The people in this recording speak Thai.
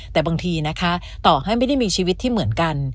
แต่บางทีนะคะต่อให้ไม่ได้มีชีวิตที่เหมือนกัน